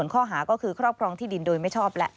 ข้อหาก็คือครอบครองที่ดินโดยไม่ชอบแล้ว